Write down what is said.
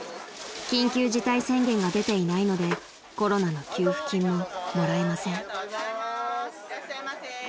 ［緊急事態宣言が出ていないのでコロナの給付金ももらえません］